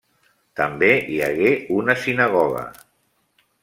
També hi hagué una sinagoga.